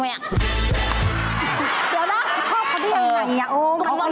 เดี๋ยวนะชอบเค้าที่ยังไงอะโอ้ม